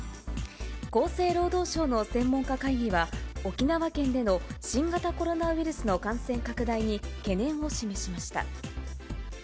厚生労働省の専門家会議は、沖縄県での新型コロナウイルスの感染拡大に、懸念を示しました。